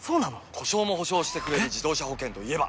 故障も補償してくれる自動車保険といえば？